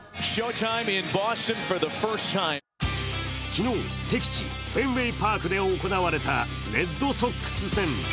昨日、敵地フェンウェイ・パークで行われたレッドソックス戦。